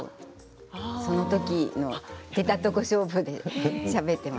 その時の出たとこ勝負でしゃべっています。